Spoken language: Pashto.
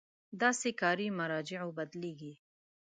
داسې کاري مراجعو بدلېږي.